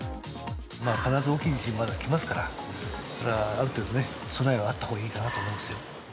必ず大きい地震が来ますから、ある程度ね、備えがあったほうがいいかなと思いますよ。